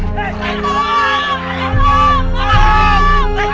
udah mampus bless